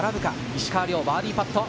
石川遼、バーディーパット。